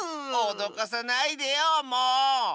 おどかさないでよもう！